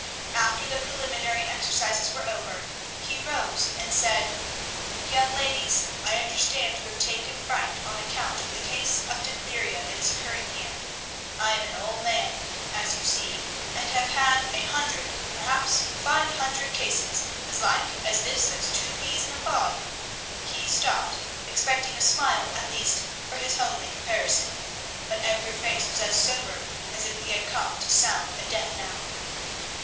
After the preliminary exercises were over, he rose, and said, "Young ladies, I understand you have taken fright on account of the case of diphtheria that is occurring here. I am an old man, as you see, and have had a hundred, perhaps five hundred cases as like this as two peas in a pod." (He stopped, expecting a smile at least for his homely comparison, but every face was as sober as if he had come to sound a death knell.)